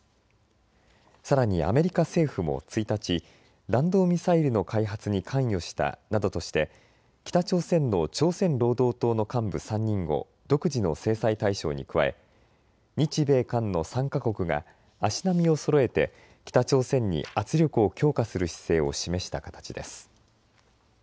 さらにアメリカ政府も１日、弾道ミサイルの開発に関与したなどとして北朝鮮の朝鮮労働党の幹部３人を独自の制裁対象に加え日米韓の３か国が足並みをそろえて北朝鮮に圧力を強化する姿勢を示した形です。